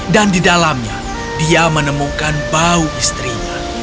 dan di dalamnya dia menemukan bau istrinya